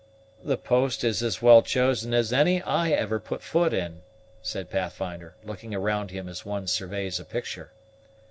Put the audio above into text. "The post is as well chosen as any I ever put foot in," said Pathfinder, looking around him as one surveys a picture.